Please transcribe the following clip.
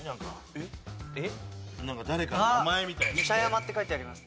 誰かの名前みたいな。